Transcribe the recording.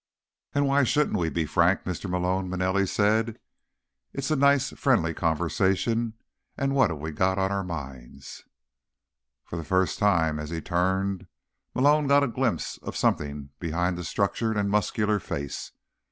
"And why shouldn't we be frank, Mr. Malone?" Manelli said. "It's a nice, friendly conversation, and what have we got on our minds?" For the first time, as he turned, Malone got a glimpse of something behind the structured and muscular face.